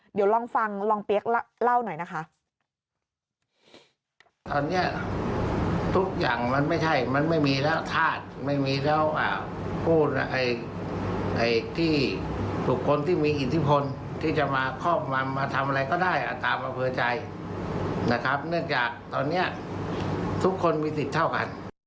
เดี๋ยวลองฟังลองเปี๊ยกเล่าหน่อยนะคะ